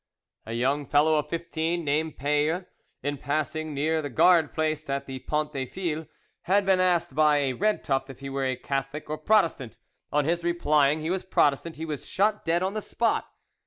A young fellow of fifteen, named Payre, in passing near the guard placed at the Pont des files, had been asked by a red tuft if he were Catholic or Protestant. On his replying he was Protestant, he was shot dead on the spot.